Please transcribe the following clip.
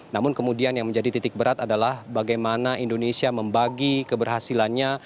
namun kemudian yang menjadi titik berat adalah bagaimana indonesia membagi keberhasilannya